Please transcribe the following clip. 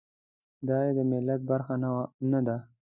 دای د ملت برخه نه ده.